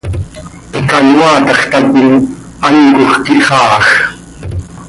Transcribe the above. Canoaataj tacoi ancoj quih xaaaj.